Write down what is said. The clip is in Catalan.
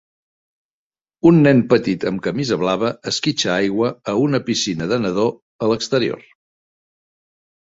Un nen petit amb camisa blava esquitxa aigua a una piscina de nadó a l'exterior.